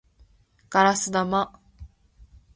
ガラス玉